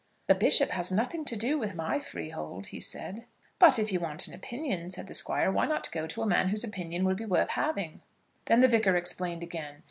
"The bishop has nothing to do with my freehold," he said. "But if you want an opinion," said the Squire, "why not go to a man whose opinion will be worth having?" Then the Vicar explained again.